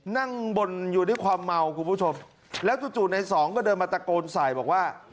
นั่งบนอยู่ด้วยความเมาคุณผู้ชมแล้วจู่ในสองก็เดินมาตะโกนใส่บอกว่า